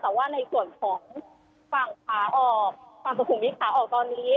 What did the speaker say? แต่ว่าในส่วนของฝั่งศูนย์วิทยาออกตอนนี้